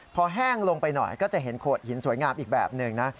พอแห้งลงไปหน่อยก็จะเห็นโขดหินสวยงามอีกแบบหนึ่งนะ